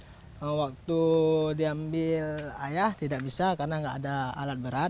ya waktu diambil ayah tidak bisa karena nggak ada alat berat